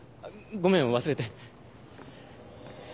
ごめん忘れて。